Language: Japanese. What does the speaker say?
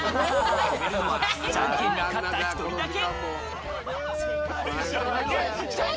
飛べるのはじゃんけんで勝った１人だけ。